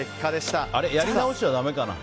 やり直しちゃだめかな？